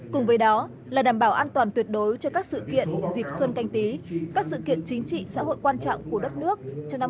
cùng với đó là đảm bảo an toàn tuyệt đối cho các sự kiện dịp xuân canh tí các sự kiện chính trị xã hội quan trọng của đất nước trong năm hai nghìn hai mươi